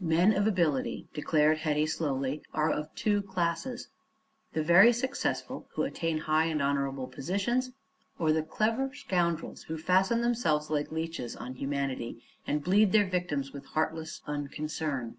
"Men of ability," declared Hetty slowly, "are of two classes: the very successful, who attain high and honorable positions, or the clever scoundrels who fasten themselves like leeches on humanity and bleed their victims with heartless unconcern.